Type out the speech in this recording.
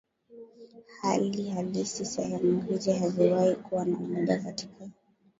Hali halisi sehemu hizi haziwahi kuwa na umoja katika